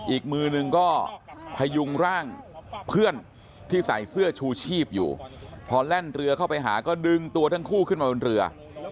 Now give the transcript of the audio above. อีกมือนึงก็พยุงร่างเพื่อนที่ใส่เสื้อชูชีพอยู่พอแล่นเรือเข้าไปหาก็ดึงตัวทั้งคู่ขึ้นมาบนเรือ